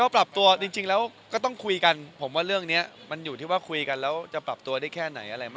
ปรับตัวจริงแล้วก็ต้องคุยกันผมว่าเรื่องนี้มันอยู่ที่ว่าคุยกันแล้วจะปรับตัวได้แค่ไหนอะไรมาก